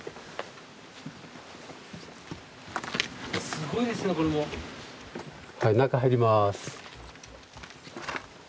すごいですねこれも。はい中入ります。